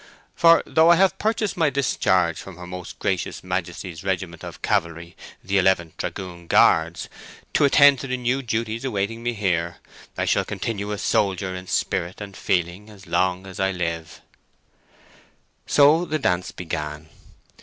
"For though I have purchased my discharge from Her Most Gracious Majesty's regiment of cavalry the 11th Dragoon Guards, to attend to the new duties awaiting me here, I shall continue a soldier in spirit and feeling as long as I live." So the dance began.